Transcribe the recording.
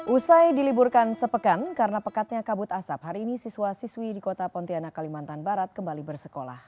usai diliburkan sepekan karena pekatnya kabut asap hari ini siswa siswi di kota pontianak kalimantan barat kembali bersekolah